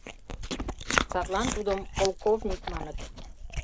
Садлан тудым полковник маныт.